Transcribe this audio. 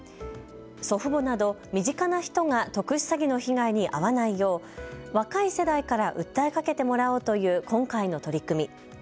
祖父母など身近な人が特殊詐欺の被害に遭わないよう若い世代から訴えかけてもらおうという今回の取り組み。